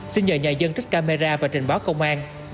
xin nhờ nhà dân trích camera và trình báo công an